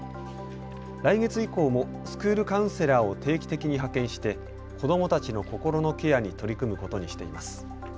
来月以降もスクールカウンセラーを定期的に派遣して子どもたちの心のケアに取り組むことにしています。